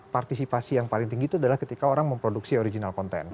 partisipasi yang paling tinggi itu adalah ketika orang memproduksi original content